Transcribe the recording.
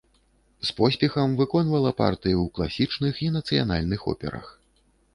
З поспехам выконвала партыі ў класічных і нацыянальных операх.